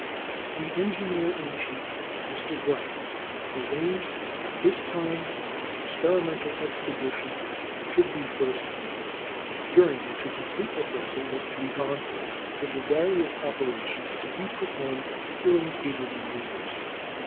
] The engineer in chief (Mr. Bright) arranged that this time an experimental expedition should be first made, during which a complete rehearsal was to be gone through of the various operations to be performed during cable maneuvers.